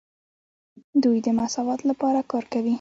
دوی د مساوات لپاره کار کوي.